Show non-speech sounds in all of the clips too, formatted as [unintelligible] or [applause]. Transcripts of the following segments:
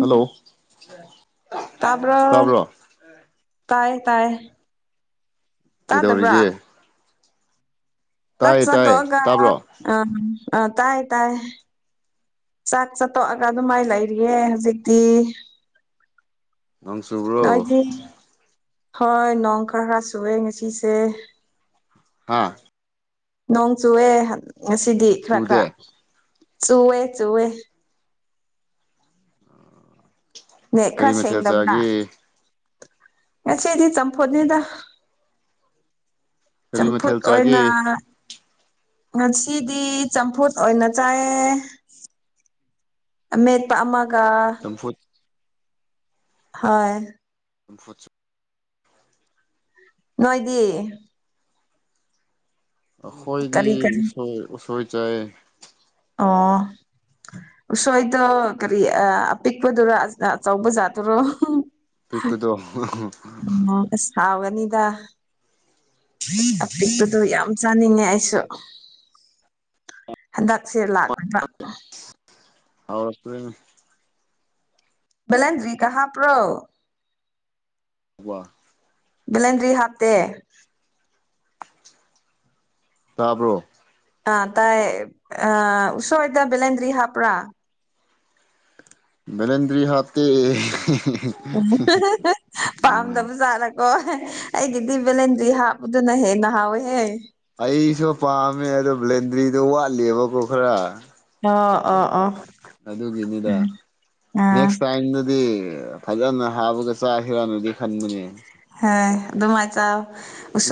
Hello ꯇꯕꯔ꯭ꯑꯣ꯫ ꯇꯥꯕ꯭ꯔꯣ ꯇꯥꯏ ꯇꯥꯏ꯫ ꯀꯩꯗꯧꯔꯤꯒꯦ꯫ ꯇꯥꯗꯕ꯭ꯔꯥ ꯆꯥꯛ ꯇꯥꯏꯌꯦ ꯆ ꯇꯥꯏꯌꯦ ꯇꯣꯛꯑꯒ ꯍꯥ ꯇꯥꯕ꯭ꯔꯣ ꯑ ꯑ ꯇꯥꯏ ꯇꯥꯏ꯫ ꯆꯥꯛ ꯆꯥ ꯇꯣꯛꯑꯒ ꯑꯗꯨꯃꯥꯏꯅ ꯂꯩꯔꯤꯌꯦ ꯍꯧꯖꯤꯛꯇꯤ꯫ [unintelligible] ꯅꯣꯏꯗꯤ ꯍꯣꯏ ꯅꯣꯡ ꯈꯔ ꯈꯔ ꯁꯨꯑꯦ ꯉꯁꯤꯁꯦ꯫ ꯍꯥꯥ꯫ ꯅꯣꯡ ꯆꯨꯑꯦ ꯉꯁꯤꯗꯤ ꯈꯔ ꯈꯔ꯫ ꯆꯨꯗꯦ ꯆꯨꯋꯦ ꯆꯨꯋꯦ꯫ ꯃꯦꯛ ꯀꯔꯤ ꯈꯔ ꯃꯊꯦꯜ ꯁꯦꯡꯗꯕ꯭ꯔꯥ꯫ ꯆꯥꯒꯦ ꯉꯁꯤꯗꯤ ꯆꯝꯐꯣꯠꯅꯤꯗ꯫ ꯀꯔꯤ ꯆꯝꯐꯨꯠ ꯃꯊꯦꯜ ꯆꯥꯒꯦ ꯑꯣꯏꯅ꯫ ꯉꯁꯤꯗꯤ ꯆꯝꯐꯨꯠ ꯑꯣꯏꯅ ꯆꯥꯏꯌꯦ꯫ ꯑꯃꯦꯠꯄ ꯑꯃꯒ꯫ [inaudible] ꯍꯣꯏ꯫ [inaudible] ꯅꯣꯏꯗꯤ꯫ ꯑꯩꯈꯣꯏꯗꯤ ꯀꯔꯤ ꯀꯔꯤ ꯎꯁꯣꯏ ꯎꯁꯣꯏ ꯆꯥꯏꯌꯦ꯫ ꯑꯣ꯫ ꯎꯁꯣꯏꯗꯣ ꯀꯔꯤ ꯑꯄꯤꯛꯄꯗꯨꯔꯣ ꯑꯆꯧꯕ ꯖꯥꯠꯇꯨꯔꯣ꯫ ꯄꯤꯛꯄꯗꯣ꯫ ꯑꯣ ꯑꯁ꯫ ꯍꯥꯎꯒꯅꯤꯗ ꯑꯄꯤꯛꯄꯗꯣ ꯌꯥꯝ ꯆꯥꯅꯤꯡꯉꯦ ꯑꯩꯁꯨ꯫ ꯍꯟꯗꯛꯁꯦ ꯂꯥꯛ꯫ [unintelligible] ꯕꯦꯂꯦꯟꯗꯔ꯭ꯤꯀꯥ ꯍꯥꯞꯄ꯭ꯔꯣ꯫ ꯋꯥ꯫ ꯕꯤꯂꯦꯟꯗꯔ꯭ꯤ ꯍꯥꯞꯇꯦ꯫ ꯇꯥꯕ꯭ꯔꯣ꯫ ꯑ ꯇꯥꯏꯌꯦ ꯑꯥ ꯎꯁꯣꯏꯗ ꯕꯦꯂꯦꯟꯗꯔ꯭ꯤ ꯍꯥꯄ꯭ꯔꯥ꯫ ꯔꯦꯟꯗ꯭ꯔꯤ ꯍꯥꯞꯇ ꯎꯝ ꯐꯥꯝꯗꯕꯨ ꯆꯂꯒ ꯑꯣꯍ ꯑꯩꯒꯤꯗꯤ ꯕꯦꯂꯦꯟꯗꯤ ꯍꯥꯞꯄꯗꯨꯅ ꯍꯦꯟꯅ ꯍꯥꯎꯋꯦꯍꯦ ꯑꯩꯁꯨ ꯄꯥꯝꯃꯦ ꯑꯗꯣ ꯕ꯭ꯂꯦꯟꯗ꯭ꯔꯤꯗꯣ ꯋꯥꯠꯂꯤꯕꯀꯣ ꯈꯔ ꯑꯣ ꯑꯣ ꯑꯣ ꯑꯗꯨꯒꯤꯅꯤꯗ ꯑꯥ ꯅꯦꯛꯁ ꯇꯥꯏꯝꯗꯗꯤ ꯐꯖꯅ ꯍꯥꯞꯕꯒ ꯆꯥꯛ ꯍꯤꯔꯥꯟꯅꯗꯤ ꯈꯟꯕꯅꯦ ꯍꯣꯏ ꯑꯗꯨꯃꯥꯏ ꯆꯥꯎ꯫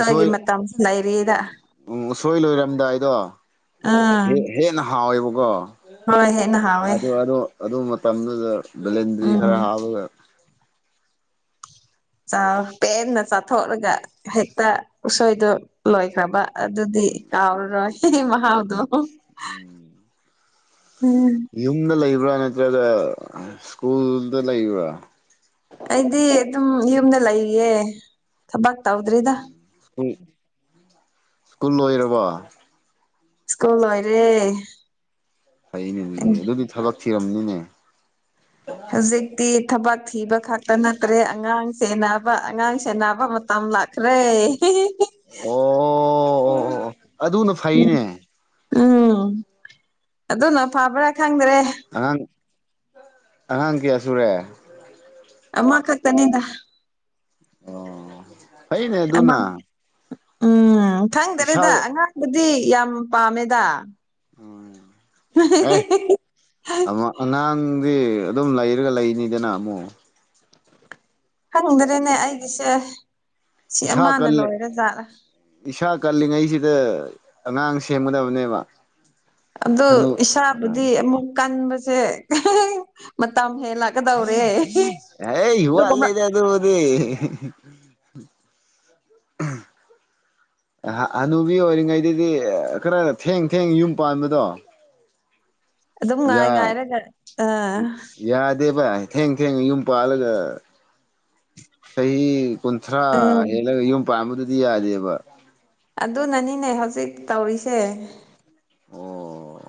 ꯎꯁꯣꯏ ꯃꯇꯝꯁꯨ ꯂꯩꯔꯤꯗ ꯎꯝ ꯎꯁꯣꯏ ꯂꯣꯏꯔꯝꯗꯥꯏꯗꯣ ꯍꯦ ꯎꯝ꯫ ꯍꯦꯟꯅ ꯍꯥꯎꯋꯦꯕꯀꯣ ꯍꯣꯏ ꯍꯦꯟꯅ ꯍꯥꯎꯋꯦ ꯑꯗꯨ ꯑꯗꯨ ꯃꯇꯝꯗꯨꯗ꯫ ꯕꯦꯂꯦꯟꯗꯔꯤ ꯈꯔ ꯎꯝ ꯍꯞꯕꯒꯥ꯫ ꯆꯥꯎ ꯄꯦꯟꯅ ꯆꯥꯊꯣꯛꯂꯒ ꯍꯦꯛꯇ ꯎꯁꯣꯏꯗꯨ ꯂꯣꯏꯈ꯭ꯔꯕ꯫ ꯑꯗꯨꯗꯤ ꯀꯥꯎꯔꯔꯣꯏ꯫ ꯃꯍꯥꯎꯗꯣ ꯎꯝ ꯌꯨꯝꯗ ꯂꯩꯕ꯭ꯔꯥ ꯅꯠꯇ꯭ꯔꯒ ꯁ꯭ꯀꯨꯜꯗ ꯂꯩꯕ꯭ꯔꯥ ꯑꯩꯗꯤ ꯑꯗꯨꯝ ꯌꯨꯝꯗ ꯂꯩꯌꯦ ꯊꯕꯛ ꯇꯧꯗ꯭ꯔꯤꯗ ꯏꯁꯀꯨꯜ ꯏꯁ꯭ꯀꯨꯜ ꯂꯣꯏꯔꯕꫭ ꯏꯁꯀꯨ꯭ꯜ ꯂꯣꯏꯔꯦ ꯐꯩꯅꯦ ꯑꯗꯨꯗꯤ ꯊꯕꯛ ꯊꯤꯔꯝꯅꯤꯅꯦ ꯍꯧꯖꯤꯛꯇꯤ ꯊꯕꯛ ꯊꯤꯕ ꯈꯛ ꯇꯠꯅꯗꯔꯦ ꯑꯉꯥꯡ ꯁꯦꯟꯅꯕ ꯑꯉꯥꯡ ꯁꯦꯟꯅꯕ ꯃꯇꯝ ꯂ ꯈꯔꯦ ꯑꯣ ꯑꯣ ꯑꯣ ꯑꯣ ꯑꯗꯨꯅ ꯐꯩꯅꯦ ꯎꯝ ꯑꯗꯨꯅ ꯐꯕ꯭ꯔꯥ ꯈꯪꯗ꯭ꯔꯦ ꯑꯉꯥꯡ ꯑꯉꯥꯡ ꯀꯌꯥ ꯁꯨꯔꯦ ꯑꯃ ꯈꯛꯇꯅꯤꯗ ꯑꯣ ꯐꯩꯅꯦ ꯑꯃ ꯑꯗꯨꯅ ꯎꯝ ꯏꯁꯥ ꯈꯪꯗꯔꯦꯗ ꯑꯉꯥꯡꯕꯨꯗꯤ ꯌꯥꯝ ꯄꯥꯝꯃꯦꯗ ꯎꯝ ꯑꯦ ꯑꯉꯥꯡꯗꯤ ꯑꯗꯨꯝ ꯂꯩꯔꯒ ꯂꯩꯅꯤꯗꯅ ꯑꯃꯨꯛ ꯈꯪꯗ꯭ꯔꯦꯅꯦ ꯑꯩꯒꯤꯁꯦ ꯁꯤ ꯄꯁꯥ ꯑꯃꯅ ꯀꯜꯂꯦ ꯂꯣꯏꯔ ꯖꯥꯠꯂꯥ ꯏꯁꯥ ꯀꯜꯂꯤꯉꯩꯁꯤꯗ ꯑꯉꯥꯡ ꯁꯦꯝꯒꯗꯕꯅꯦꯕ ꯑꯗꯨ ꯍꯅꯨ ꯏꯁꯥꯕꯨꯗꯤ ꯑꯃꯨꯛ ꯀꯟꯕꯁꯦ ꯃꯇꯝ ꯍꯦꯂꯛ ꯀꯗꯧꯔꯦ ꯑ ꯋꯥꯠꯂꯦꯅꯦ ꯑꯗꯨꯕꯨꯗꯤ ꯎꯝ ꯍꯅꯨꯕꯤ ꯑꯣꯏꯔꯤꯉꯩꯗꯗꯤ ꯈꯔ ꯊꯦꯡ ꯊꯦꯡ ꯌꯨꯝ ꯄꯥꯟꯕꯗꯣ ꯑꯗꯨꯝ ꯌꯥ ꯉꯥꯏ ꯉꯥꯏꯔꯒ ꯑ ꯌꯥꯗꯦꯕ ꯊꯦꯡ ꯊꯦꯡꯅ ꯌꯨꯝ ꯄꯥꯜꯂꯒ ꯆꯍꯤ ꯀꯨꯟꯊ꯭ꯔꯥ ꯎꯝ ꯍꯦꯜꯂꯒ ꯌꯨꯝ ꯄꯥꯟꯕꯗꯨꯗꯤ ꯌꯥꯗꯦꯕ ꯑꯗꯨꯅꯅꯤꯅꯦ ꯍꯧꯖꯤꯛ ꯇꯧꯔꯤꯁꯦ ꯑꯣ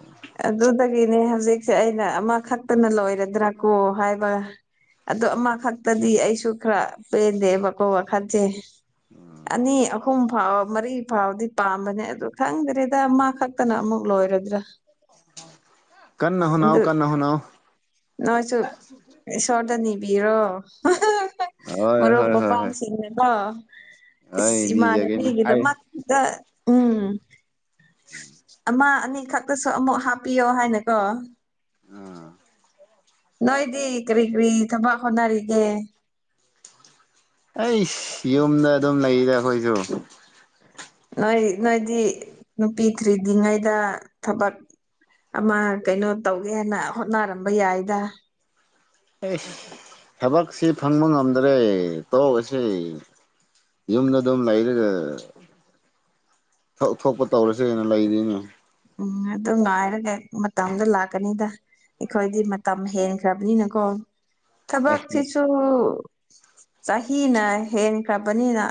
ꯑꯗꯨꯗꯒꯤꯅꯤ ꯍꯧꯖꯤꯛꯁꯦ ꯑꯩꯅ ꯑꯃꯈꯛꯇꯅ ꯂꯣꯏꯔꯗ꯭ꯔꯥ ꯀꯣ ꯍꯥꯏꯕ ꯑꯗꫭ ꯑꯃꯈꯛꯇꯗꯤ ꯑꯩꯁꯨ ꯈꯔ ꯄꯦꯟꯗꯦꯕꯀꯣ ꯋꯥ ꯈꯟꯁꯦ ꯑꯅꯤ ꯑꯍꯨꯝ ꯐꯥꯎꯕ ꯃꯔꯤ ꯐꯥꯎꯕꯗꯤ ꯄꯥꯝꯕꯅꯦ ꯑꯗꯨ ꯈꯪꯗ꯭ꯔꯦꯗ ꯑꯃꯥ ꯈꯛꯇꯅ ꯑꯃꯨꯛ ꯂꯣꯏꯔꯗ꯭ꯔꯥ ꯀꯟꯅ ꯍꫭꯠꯅꯧ ꯑꯗꯨ ꯀꯟꯅ ꯍꫭꯠꯅꯧ ꯅꯣꯏꯁꯨ ꯏꯁꫭꯔꯗꯅꯤꯕꯤꯌꫭ ꯍꯣꯏ ꯃꯔꯨꯞ ꯍꯣꯏ ꯍꯣꯏ ꯍꯣꯏ ꯃꯄꯥꯡꯁꯤꯡꯗꯤꯀꫭ ꯍꯣꯏ ꯏꯁ ꯅꯤꯖꯒꯦꯅꯤ ꯏꯃꯥꯟꯅꯕꯤꯒꯤꯗ ꯍꯥꯏ ꯗ ꯎꯝ ꯑꯃ ꯑꯅꯤꯈꯛ ꯇꯁꯨ ꯑꯃꯨꯛ ꯍꯥꯞꯄꯤꯌꯣ ꯍꯥꯏꯅꯀꯣ ꯑꯥ ꯅꯣꯏꯗꯤ ꯀꯔꯤ ꯀꯔꯤ ꯊꯕꯛ ꯍꯣꯠꯅꯔꯤꯒꯦ ꯑꯩꯁ ꯌꯨꯝꯗ ꯑꯗꯨꯝ ꯂꯩꯗ ꯑꯩꯈꯣꯏꯖꯨ ꯅꯣꯏ ꯅꯣꯏꯗꯤ ꯅꯨꯄꯤ ꯊꯤꯗ꯭ꯔꯤꯉꯩꯗ ꯊꯕꯛ ꯑꯃ ꯀꯩꯅꯣ ꯇꯧꯒꯦꯅ ꯍꯣꯠꯅꯔꯝꯕ ꯌꯥꯏꯗ ꯑꯩꯁ ꯊꯕꯛꯁꯤ ꯐꯪꯕ ꯉꯝꯗ꯭ꯔꯦ ꯇꯣꯛꯑꯁꯤ ꯌꯨꯝꯗ ꯑꯗꯨꯝ ꯂꯩꯔꯒ ꯊꯣꯛ ꯊꫭꯛꯄ ꯇꯧꯔꯁꯤꯅ ꯂꯩꯔꯤꯅꯦ ꯎꯝ ꯑꯗꯨ ꯉꯥꯏꯔꯒ ꯃꯇꯝꯗꯨ ꯂꯥꯛꯀꯅꯤꯗ ꯑꯩꯈꯣꯏꯗꯤ ꯃꯇꯝ ꯍꯦꯟꯈ꯭ꯔꯕꯅꯤꯅꯀꯣ ꯑꯦ ꯊꯕꯛꯁꯤꯁꯨ ꯆꯍꯤꯅ ꯍꯦꯟꯈ꯭ꯔꯕꯅꯤꯅ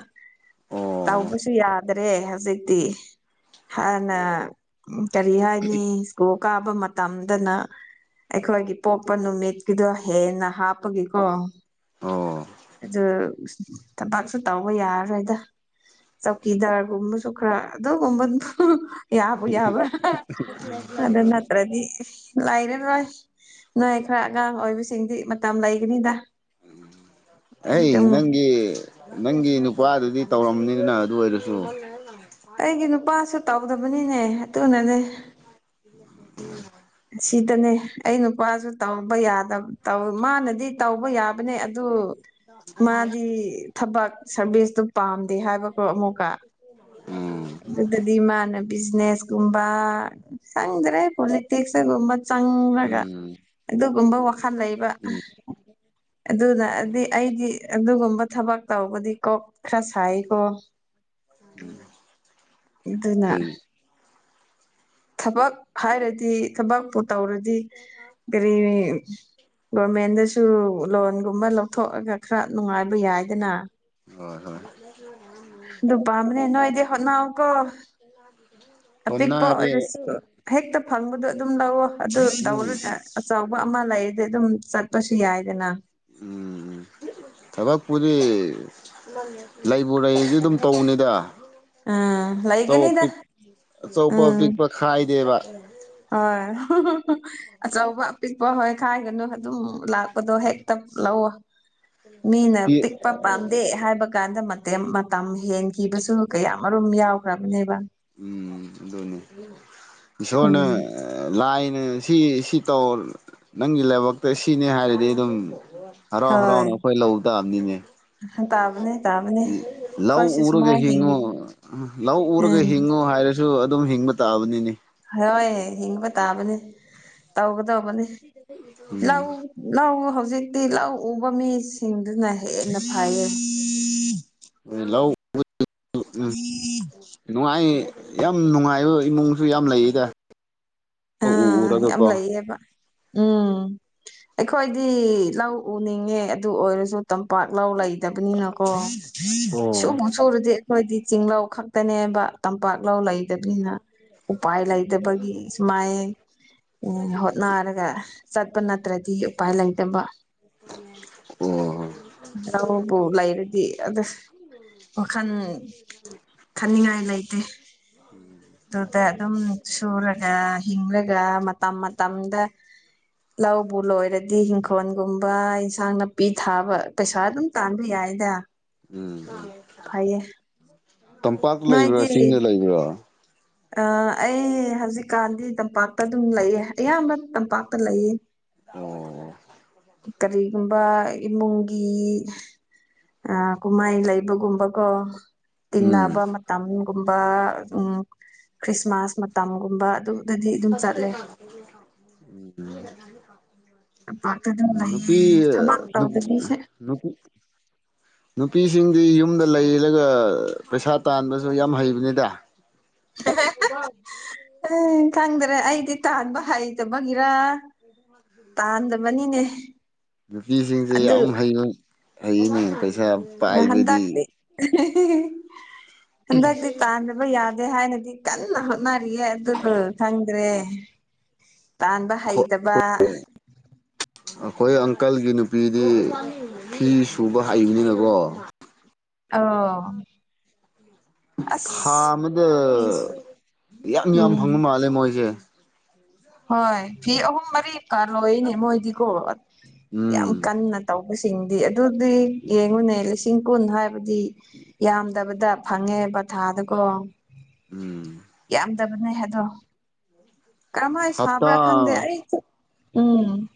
ꯑꯣ ꯇꯧꯕꯁꯨ ꯌꯥꯗ꯭ꯔꯦ ꯍꯧꯖꯤꯛꯇꯤ ꯍꯥꯟꯅ ꯎꯝ ꯀꯔꯤ ꯍꯥꯏꯅꯤ ꯏꯁ꯭ꯀꯨꯜ ꯀꯥꯕ ꯃꯇꯝꯗꯅ ꯑꯩꯈꯣꯏꯒꯤ ꯄꯣꯛꯄ ꯅꯨꯃꯤꯠꯀꯤꯗꯣ ꯍꯦꯟꯅ ꯍꯥꯞꯄꯒꯤꯀꯣ ꯑꯣ ꯑꯗꯨ ꯊꯕꯛꯁꯨ ꯇꯧꯕ ꯌꯥꯔꯔꯣꯏꯗ ꯆꯧꯀꯤꯗꯥꯔꯒꯨꯝꯕꯁꯨ ꯈꯔ ꯑꯗꯨꯒꯨꯝꯕꯗꯨ ꯌꯥꯕꯨ ꯌꯥꯕ꯭ꯔꯥ ꯑꯗꯨꯅꯠꯇꯔꯗꯤ ꯂꯩꯔꯔꫭꯏ ꯅꯣꯏ ꯈꯔ ꯑꯉꯥꯡ ꯑꯣꯏꯕꯁꯤꯡꯗꯤ ꯃꯇꯝ ꯂꯩꯒꯅꯤꯗ ꯑꯩ ꯑꯗꯨꯝ ꯅꯪꯒꯤ ꯅꯪꯒꯤ ꯅꯨꯄꯥꯗꯨꯗꯤ ꯇꯧꯔꯝꯅꯤꯗꯅ ꯑꯗꯨ ꯑꯣꯏꯔꯁꯨ ꯎ [unintelligible] ꯑꯩꯒꯤ ꯅꯨꯄꯥꯁꯨ ꯇꯧꯗꯕꯅꯤꯅꯦ ꯑꯗꯨꯅꯅꯦ [unintelligible] ꯁꯤꯇꯅꯦ ꯑꯩ ꯅꯨꯄꯥꯁꯨ ꯇꯧꯕ ꯌꯥꯗꯕ ꯇꯧ ꯃꯥꯅꯗꯤ ꯇꯧ ꯍꯕ ꯌꯥꯕꯅꯦ ꯑꯗꯨ ꯃꯥꯗꯤ ꯊꯕꯛ ꯁꯥꯔꯚꯤꯁꯇꯨ ꯄꯥꯝꯗꯦ ꯍꯥꯏꯕꯀꯣ ꯑꯃꯨꯛꯀ ꯎꯝ ꯑꯗꯨꯗꯗꯤ ꯃꯥꯅ ꯕꯤꯖꯤꯅꯦꯁꯀꯨꯝꯕ ꯈꯪꯗ꯭ꯔꯦ ꯍꫭꯂꯤ ꯇꯤꯛꯁꯇꯒꯨꯝꯕ ꯆꯪꯂꯒ ꯎꯝ ꯑꯗꯨꯒꯨꯝꯕ ꯋꯥꯈꯜ ꯂꯩꯕ ꯎꯝ ꯑꯗꯨꯂꯥꯛꯑꯗꯤ ꯑꯩꯗꯤ ꯑꯗꯨꯒꯨꯝꯕ ꯊꯕꯛ ꯇꯧꯕꯗꯤ ꯀꯣꯛ ꯈꯔ ꯁꯥꯏꯀꯣ ꯎꯝ [unintelligible] ꯑꯗꯨꯅ ꯊꯕꯛ ꯍꯥꯏꯔꯗꯤ ꯊꯕꯛ ꯄꯨ ꯇꯧꯔꯗꯤ ꯀꯔꯤ ꯒꯣꯔꯃꯦꯟꯗ ꯁꯨ ꯂꯣꯟꯒꯨꯝꯕ ꯂꯧꯊꯣꯛꯑꯒ ꯈꯔ ꯅꯨꯡꯉꯥꯏꯕ ꯌꯥꯏꯗꯅ ꯍꯣꯏ ꯍꯣꯏ ꯂꯩ [unintelligible] ꯑꯗꯨ ꯄꯥꯥ ꯝꯕꯅꯦ ꯅꯣꯏꯗꯤ ꯍꯣꯠꯅꯎ ꯀꯣ ꯅꯦ [unintelligible] ꯑꯄꯤꯛꯄ ꯑꯣꯏꯔꯁꯨ ꯍꯦꯛꯇ ꯐꯪꯕꯗꯣ ꯑꯗꯨꯝ ꯂꯧꯑꯣ ꯑꯗꯨ ꯇꯧꯔꯨꯅꯦ ꯎꯝ ꯑꯆꯧꯕ ꯑꯃ ꯂꯩꯗꯤ ꯑꯗꯨꯝ ꯆꯠꯄꯁꯨ ꯌꯥꯏꯗꯅ ꯎꯝ ꯎꯝ ꯊꯕꯛꯄꯨꯗꯤ ꯂꯩꯕꯨ ꯂꯩꯁꯨ ꯑꯗꯨꯝ ꯇꯧꯕꯅꯤꯗ ꯑꯥ ꯆꯧ ꯂꯩꯒꯅꯤꯗ ꯄꯤꯛ ꯑꯆꯧꯕ ꯑꯄꯤꯛꯄ ꯈꯥꯏꯗꯦꯕ ꯍ [unintelligible] ꯑꯆꯧꯕ ꯑꯄꯤꯛꯄ ꯍꯣꯏ ꯈꯥꯏꯒꯅꯨ ꯑꯗꯨꯝ ꯂꯥꯛꯄꯗꯣ ꯍꯦꯛꯇ ꯂꯧꯑꯣ ꯃꯤꯅ ꯄꯤꯛꯄ ꯄꯥꯝꯗꯦ ꯍꯥꯏꯕ ꯀꯥꯟꯗ ꯃꯇꯦꯝ ꯃꯇꯝ ꯍꯦꯟꯈꯤꯕꯁꯨ ꯀꯌꯥꯃꯔꯨꯝ ꯌꯥꯎꯈ꯭ꯔꯕꯅꯦꯕ ꯎꯝ ꯑꯗꯨꯅꯦ ꯏꯁꯣꯔꯅ ꯎꯝ ꯂꯥꯏꯅ ꯁꯤ ꯁꯤ ꯇꯧ ꯅꯪꯒꯤ ꯂꯥꯏꯕꯛꯇ ꯁꯤꯅꯦ ꯍꯥꯏꯔꯗꯤ ꯑꯗꯨꯝ ꯍꯔꯥꯎ ꯍꯣꯏ ꯍꯔꯥꯎꯅ ꯑꯩꯈꯣꯏ ꯂꯧ ꯇꯕꯅꯤꯅꯦ ꯇꯥꯕꯅꯦ ꯇꯥꯕꯅꯦ ꯂꯎ ꯑꯩꯈꯣꯏꯁꯨ ꯎꯔꯒ ꯁꯨꯃꯥꯏ ꯍꯤꯡꯉꯨ ꯍꯤꯡꯉꯤ ꯂꯎ ꯎꯔꯒ ꯎꯝ ꯍꯥꯏꯔꯁꯨ ꯑꯗꯨꯝ ꯍꯤꯡꯕ ꯇꯥꯕꯅꯤꯅꯦ ꯍꯣꯏ ꯍꯤꯡꯕ ꯇꯥꯕꯅꯤ ꯇꯧꯒꯗꯧꯕꯅꯦ ꯎꯝ ꯂꯧ ꯂꯧ ꯍꯧꯖꯤꯛꯇꯤ ꯂꯧ ꯎꯕ ꯃꯤꯁꯤꯡꯗꯨꯅ ꯍꯦꯟꯅ ꯐꯩꯌꯦ ꯂꯧ ꯎꯝ [inaudible] ꯅꯨꯡꯉꯥꯏ ꯌꯥꯝ ꯅꯨꯡꯉꯥꯏꯕ ꯏꯃꯨꯡꯁꯨ ꯌꯥꯝ ꯂꯩꯌꯦꯗ ꯎ ꯎꯔꯒꯀꯣ ꯕ [unintelligible] ꯎꯝ ꯑꯩꯈꯣꯏꯗꯤ ꯂꯧ ꯎꯅꯤꯡꯉꯦ ꯑꯗꯨ ꯑꯣꯏꯔꯁꯨ ꯇꯝꯄꯥꯛ ꯂꯧ ꯂꯩ ꯗꯄꯅꯤꯅꯀꯣ ꯑꯣ ꯁꯨꯕꯨ ꯁꯨꯔꯨꯗꯤ ꯑꯩꯈꯣꯏꯗꯤ ꯆꯤꯡꯂꯧ ꯈꯛꯇꯅꯦꯕ ꯇꯝꯄꯥꯛ ꯂꯧ ꯂꯩ ꯂꯩꯗꯕꯅꯤꯅ ꯎꯄꯥꯏ ꯂꯩꯇꯕꯒꯤ ꯁꯨꯃꯥꯏ ꯎꯝ ꯍꯣꯠꯅꯔꯒ ꯆꯠꯄ ꯅꯠꯇ꯭ꯔꯗꯤ ꯎꯄꯥꯏ ꯂꯩꯇꯕ ꯑꯣ ꯂꯧꯕꯨ ꯂꯩꯔꯗꯤ ꯑꯗꯨ ꯋꯥꯈꯟ ꯈꯟꯅꯤꯡꯉꯥꯏ ꯂꯩꯇꯦ ꯎꯝ ꯑꯗꯨꯗ ꯑꯗꯨꯝ ꯁꯨꯔꯒ ꯍꯤꯡꯂꯒ ꯃꯇꯝ ꯃꯇꯝꯗ ꯂꯧꯕꯨ ꯂꯣꯏꯔꯗꯤ ꯍꯤꯡꯈꯣꯟꯒꯨꯝꯕ ꯏꯟꯁꯥꯡ ꯅꯥꯄꯤ ꯊꯥꯕ ꯄꯩꯁꯥ ꯑꯗꯨꯝ ꯇꯥꯟꯕ ꯌꯥꯏꯗ ꯎꯝ ꯐꯩꯌꯦ ꯇꯝꯄꯥꯛꯇ ꯅꯣꯏꯗꯤ ꯂꯩꯕ꯭ꯔꯥ ꯆꯤꯡꯗ ꯂꯩꯕ꯭ꯔꯥ ꯑ ꯑꯩ ꯍꯧꯖꯤꯛꯀꯥꯟꯗꯤ ꯇꯝꯄꯥꯛꯇ ꯑꯗꯨꯝ ꯂꯩꯌꯦ ꯑꯌꯥꯝꯕ ꯇꯝꯄꯥꯛꯇ ꯂꯩꯌꯦ ꯑꯣ ꯀꯔꯤꯒꯨꯝꯕ ꯏꯃꯨꯡꯒꯤ ꯀꯨꯝꯍꯩ ꯂꯩꯕꯒꯨꯝꯕꯀꯣ ꯎꯝ ꯇꯤꯟꯅꯕ ꯃꯇꯝꯒꯨꯝꯕ ꯎꯝ ꯈ꯭ꯔꯤꯁꯃꯥꯁ ꯃꯇꯝꯒꯨꯝꯕ ꯑꯗꯨꯝ ꯆꯠꯂꯦ ꯇꯝꯄꯥꯛꯇ ꯑꯗꯨꯝ ꯎꯃ [unintelligible] ꯂꯩꯌꯦ ꯅꯨꯄꯤ ꯊꯕꯛ ꯇꯧꯗꯕꯤꯁꯨ ꯅꯨꯄꯤ ꯅꯨꯄꯤꯁꯤꯡꯗꯤ ꯌꯨꯝꯗ ꯂꯩꯔꯒ ꯄꯩꯁꯥ ꯇꯥꯟꯕꯁꯨ ꯌꯥꯝ ꯍꯩꯕꯅꯤꯗ [inaudible] ꯎ ꯈꯪꯗ꯭ꯔꯦ ꯑꯩꯗꯤ ꯇꯥꯟꯕ ꯍꯩꯇꯕꯒꯤꯔ ꯇꯥꯟꯗꯕꯅꯤꯅꯦ ꯅꯨꯄꯤꯁꯤꯡꯁꯦ ꯑꯗꯨ ꯌꯥꯝ ꯍꯩꯩꯕ ꯑꯩꯅ ꯄꯩꯁꯥ ꯍꯟꯗꯛꯇꯤ ꯍꯟꯗꯛꯇꯤ ꯇꯥꯟꯗꯕ ꯌꯥꯗꯦ ꯍꯥꯏꯅꯗꯤ ꯀꯟꯅ ꯍꯣꯠꯅꯔꯤꯌꯦ ꯑꯗꯨꯕꯨ ꯈꯪꯗ꯭ꯔꯦ ꯇꯥꯟꯕ ꯍꯩꯇꯕ [inaudible] ꯑꯩꯈꯣꯏ ꯑꯪꯀꯜꯒꯤ ꯅꯨꯄꯤꯗꯤ ꯐꯤ ꯁꯨꯕ ꯍꯩꯕꯅꯤꯅꯀꯣ ꯑꯣ ꯑꯁ ꯊꯥ ꯑꯃꯗ ꯐꯤꯁ ꯌꯥꯝ ꯌꯥꯝ ꯎꯝ ꯐꯪꯕ ꯃꯥꯜꯂꯦ ꯃꯣꯏꯁꯦ ꯍꯣꯏ ꯐꯤ ꯑꯍꯨꯝ ꯃꯔꯤ ꯐꯥꯅ ꯂꯩꯅꯦ ꯃꯣꯏꯗꯤꯀꯣ ꯌꯥꯝ ꯎꯝ ꯀꯟꯅ ꯇꯧꯕꯁꯤꯡꯗꯤ ꯑꯗꯨꯗꯤ ꯌꯦꯡꯉꯨꯅꯦ ꯂꯤꯁꯤꯡ ꯀꯨꯟ ꯍꯥꯏꯕꯗꯤ ꯌꯥꯝꯗꯕꯗ ꯐꯪꯉꯦꯕ ꯊꯥꯗꯀꯣ ꯎꯝ ꯌꯥꯝꯗꯕꯅꯦ ꯑꯗꯣ ꯀꯔꯝꯍꯥꯏ ꯍꯞꯇꯥ ꯁꯥꯕ꯭ꯔꯥ ꯈꯪꯗꯦ ꯑꯩ ꯎꯝ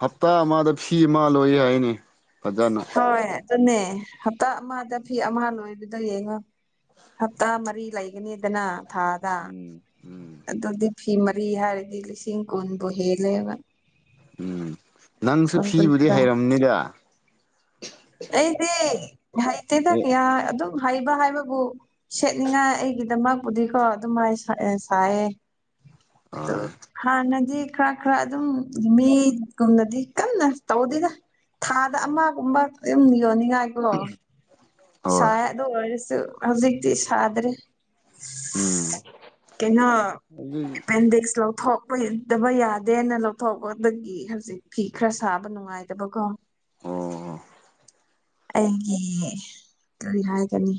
ꯍꯞꯇꯥ ꯑꯃꯗ ꯐꯤ ꯑꯃ ꯂꯣꯏꯌꯦ ꯍꯥꯏꯅꯦ ꯐꯖꯅ ꯍꯣꯏ ꯑꯗꯨꯅꯦ ꯍꯞꯇꯥ ꯑꯃꯗ ꯐꯤ ꯑꯃ ꯂꯣꯏꯕꯗ ꯌꯦꯡꯉꯣ ꯍꯞꯇꯥ ꯃꯔꯤ ꯂꯩꯒꯅꯤꯗꯅ ꯊꯥꯗ ꯎꯝ ꯎꯝ ꯑꯗꯨꯗꯤ ꯐꯤ ꯃꯔꯤ ꯍꯥꯏꯔꯗꯤ ꯂꯤꯁꯤꯡ ꯀꯨꯟꯕꯨ ꯍꯦꯜꯂꯦꯕ ꯎꯝ ꯅꯪꯁꯨ ꯀꯨꯟ ꯐꯤꯕꯨꯗꯤ ꯀꯨꯟꯊ꯭ꯔꯥ ꯍꯩꯔꯝꯅꯤꯗ ꯑꯩꯗꯤ ꯍꯩꯇꯦꯗ ꯍꯣꯏ ꯀꯌꯥ ꯑꯗꯨꯝ ꯍꯩꯕ ꯍꯥꯏꯕꯕꯨ ꯁꯦꯠꯅꯤꯡꯉꯥꯏ ꯑꯩꯒꯤꯗꯃꯛꯄꯨꯗꯤꯀꯣ ꯑꯗꯨꯃꯥꯏꯅ ꯁꯥꯏꯌꯦ ꯑ ꯍꯥꯟꯅꯗꯤ ꯈꯔ ꯈꯔ ꯑꯗꯨꯝ ꯃꯤꯒꯨꯝꯅꯗꯤ ꯀꯟꯅ ꯇꯧꯗꯦꯗ ꯊꯥꯗ ꯑꯃꯒꯨꯝꯕ ꯑꯗꯨꯨꯝ ꯌꯣꯟꯅꯤꯡꯉꯥꯏꯀꯣ ꯍꯣꯏ ꯁꯥꯏ ꯑꯗꯨ ꯑꯣꯏꯔꯁꯨ ꯍꯧꯖꯤꯛꯇꯤ ꯁꯥꯗ꯭ꯔꯦ ꯎꯝ ꯀꯩꯅꯣ ꯑꯗꯨꯒꯤ ꯑꯦꯄꯦꯟꯗꯤꯛꯁ ꯂꯧꯊꯣꯛ ꯗꯕ ꯌꯥꯗꯦꯅ ꯂꯧꯊꯣꯛꯄꯗꯒꯤ ꯍꯧꯖꯤꯛ ꯐꯤ ꯈꯔ ꯁꯥꯕ ꯅꯨꯡꯉꯥꯏꯇꯕꯀꯣ ꯑꯣ ꯑꯩꯒꯤ ꯀꯔꯤ ꯍꯥꯏꯒꯅꯤ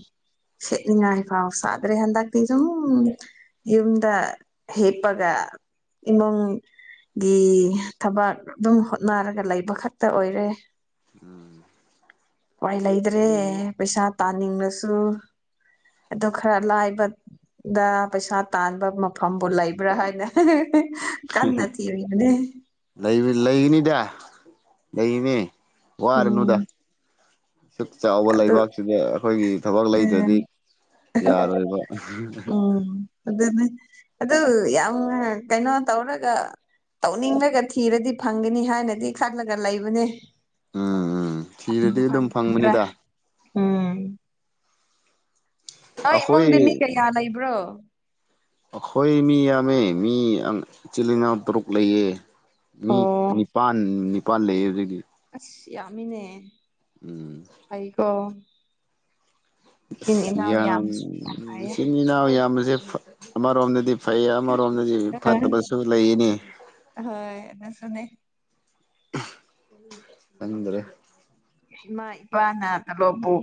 ꯍꯦꯠꯅꯤꯡ ꯉꯥꯏ ꯐꯥꯎꯁꯗ꯭ꯔꯦ ꯍꯟꯗꯇꯁꯨ ꯎ ꯌꯨꯝꯗ ꯍꯦꯄꯒ ꯏꯃꯨꯡꯒꯤ ꯊꯕꯛ ꯑꯗꯨꯝ ꯍꯣꯠꯅꯔꯒ ꯂꯩꯕ ꯈꯛꯇ ꯑꯣꯏꯔꯦ ꯎꯝ ꯋꯥꯏ ꯂꯩꯇ꯭ꯔꯦ ꯄꯩꯁꯥ ꯇꯥꯅꯤꯡꯂꯁꯨ ꯑ ꯈꯔ ꯂꯥꯏꯕ ꯗ ꯄꯩꯁꯥ ꯇꯥꯟꯕ ꯃꯐꯝꯕꯨ ꯂꯩꯕ꯭ꯔꯥ ꯍꯥꯏꯅ ꯀꯟꯅ ꯊꯤꯅꯤ ꯂꯩꯅꯤꯗ ꯂꯩꯅꯤ ꯋꯥꯔꯅꯨꯗ ꯁꯁꯨꯛ ꯆꯥꯎꯕ ꯑꯗꯨ ꯂꯩꯕꯥꯛꯁꯤꯗ ꯑꯩꯈꯣꯏꯒꯤ ꯊꯕꯛ ꯎꯝ ꯂꯩꯇ꯭ꯔꯗꯤ ꯌꯥꯔꯣꯏꯕ ꯎꯝ ꯑꯗꯨꯅꯦ ꯑꯗꯨ ꯌꯥꯝ ꯀꯩꯅꯣ ꯇꯧꯔꯒ ꯇꯧꯅꯤꯡꯂꯒ ꯊꯤꯔꯗꯤ ꯐꯪꯒꯅꯤ ꯍꯥꯏꯅꯗꯤ ꯈꯜꯂꯒ ꯂꯩꯕꯅꯦ ꯎꯝ ꯎꯝ ꯐꯪ ꯊꯤꯔꯗꯤ ꯑꯗꯨꯝ ꯐꯪ꯭ꯔ ꯐꯪꯕꯅꯤꯗ ꯎꯝ ꯑ ꯑꯩꯈꯣꯏ ꯏꯃꯨꯡꯗ ꯃꯤ ꯀꯌꯥ ꯂꯩꯕ꯭ꯔꯣ ꯑꯩꯈꯣꯏ ꯃꯤ ꯌꯥꯝꯃꯦ ꯃꯤ ꯌꯥꯝ ꯏꯆꯤꯜ ꯏꯅꯥꯎ ꯇꯔꯨꯛ ꯂꯩꯌꯦ ꯃꯤ ꯑꯣ ꯅꯤꯄꯜ ꯅꯤꯄꯥꯜ ꯂꯩꯌꯦ ꯍꯧꯖꯤꯛꯗꯒꯤ ꯑꯁ ꯌꯥꯝꯃꯤꯅꯦ ꯎꯝ ꯑꯩꯀꯣ ꯌꯥꯝꯕꯁꯤ ꯌꯥꯝ ꯐꯩꯌꯦ ꯁꯤꯅꯤ ꯏꯅꯥꯎ ꯌꯥꯝꯕꯁꯦ ꯑꯃꯔꯣꯝꯗꯗꯤ ꯐꯩ ꯑꯃꯔꯣꯝꯗꯗꯤ ꯐꯠꯇꯕꯁꯨ ꯂꯩꯅꯤ ꯍꯣꯏꯁꯨꯅꯦ ꯆꯗ꯭ꯔꯦ ꯏꯃꯥ ꯏꯄꯥꯅ ꯇꯂꯣꯞꯕꯨ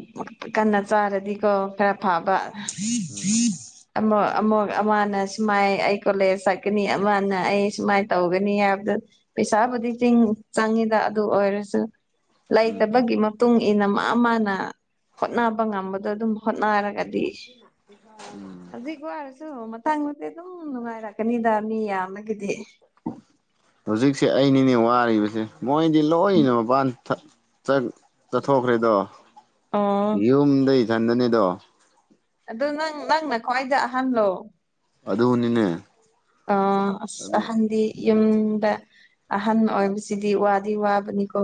ꯀꯟꯅ ꯆꯥꯔꯗꯤꯀꯣ ꯈꯔ ꯐꯕ ꯎꯝ ꯑꯃ ꯑꯃ ꯑꯃꯅ ꯁꯨꯃꯥꯏ ꯑꯩ ꯀꯣꯂꯦꯖ ꯁꯛꯀꯅꯤ ꯑꯃꯅ ꯑꯩ ꯁꯨꯃꯥꯏꯅ ꯇꯧꯒꯅꯤ ꯍꯥꯏꯕꯗꯨ ꯄꯩꯁꯥꯕꯨꯗꯤꯤꯡ ꯆꯪꯉꯤꯗ ꯑꯗꯨ ꯑꯣꯏꯔꯁꯨ ꯎꯝ ꯂꯩꯇꯕꯒꯤ ꯃꯇꯨꯡ ꯏꯟꯅ ꯃꯥ ꯃꯥꯅ ꯍꯣꯠꯅꯕ ꯉꯝꯕꯗꯣ ꯑꯗꯨꯝ ꯍꯣꯠꯅꯔꯒꯗꯤ [inaudible] ꯍꯧꯖꯤꯛ ꯑꯣꯏꯔꯁꯨ ꯃꯊꯪꯗꯗꯤ ꯑꯗꯨꯝ ꯅꯨꯡꯉꯥꯏꯔꯛꯀꯅꯤꯗ ꯃꯤ ꯌꯥꯝꯅꯒꯤꯗꯤ ꯍꯧꯖꯤꯛꯁꯦ ꯑꯩꯅꯤꯅꯦ ꯋꯥꯔꯤꯕꯁꯦ ꯃꯣꯏꯗꯤ ꯂꯣꯏꯅ ꯃꯄꯥꯟ ꯆꯠꯊꯣꯛꯈ꯭ꯔꯦꯗꯣ ꯑꯣ ꯌꯨꯝꯗ ꯏꯊꯟꯗꯅꯦꯗꯣ ꯑꯗꯨ ꯅꯪ ꯅꯪꯅ ꯈ꯭ꯋꯥꯏꯗ ꯑꯍꯜꯂꯣ ꯑꯗꯨꯅꯤꯅꯦ ꯑ ꯑꯗꯨ ꯑꯍꯟꯗꯤ ꯌꯨꯝꯗ ꯑꯍꯟ ꯑꯣꯏꯕꯁꯤꯗꯤ ꯋꯥꯗꯤ ꯋꯥꯕꯅꯤꯀꯣ